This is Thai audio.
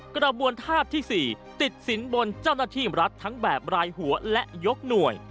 กระบวนภาพที่๔ติดสินบนเจ้าหน้าที่รัฐทั้งแบบรายหัวและยกหน่วย